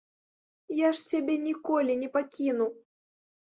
Я ж цябе ніколі не пакіну.